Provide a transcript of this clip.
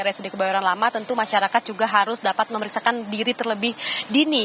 rsud kebayoran lama tentu masyarakat juga harus dapat memeriksakan diri terlebih dini